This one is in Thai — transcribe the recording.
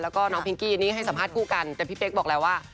แล้วก็น้องพิงกี้นี่ให้สัมภาษณ์คู่กันแต่พี่เป๊กบอกแล้วว่า